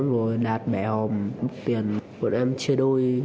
rồi đạt bẻ hòm bút tiền bọn em chia đôi